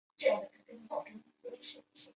侯文咏在文中对于台湾男性的苦衷有多琢磨。